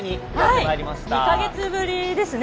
２か月ぶりですね。